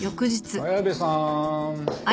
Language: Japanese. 綾部さーん。